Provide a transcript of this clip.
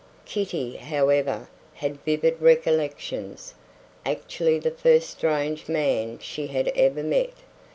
Kitty, however, had vivid recollections. Actually the first strange man she had ever met.